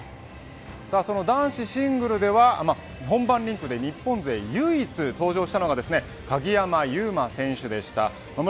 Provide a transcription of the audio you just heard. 男子シングルでは本番リンクで日本勢唯一登場したのが鍵山優真選手でした。